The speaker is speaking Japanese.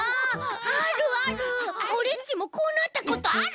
オレっちもこうなったことある。